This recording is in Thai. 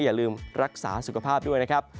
เพื่อรักษาสุขภาพด้วยนะครับ